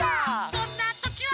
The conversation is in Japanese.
そんなときは！